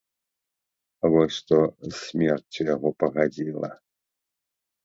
Вось што з смерцю яго пагадзіла!